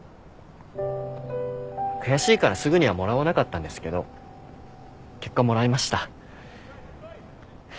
悔しいからすぐにはもらわなかったんですけど結果もらいました。